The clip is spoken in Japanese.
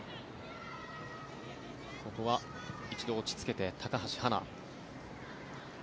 ここは一度落ち着けて高橋はな。